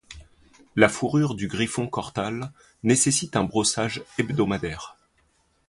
La fourrure du griffon Korthals nécessite un brossage hebdomadaire.